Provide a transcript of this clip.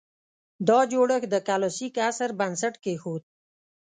دا جوړښت د کلاسیک عصر بنسټ کېښود